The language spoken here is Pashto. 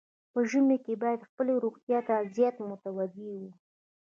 په ژمي کې باید خپلې روغتیا ته زیات متوجه وو.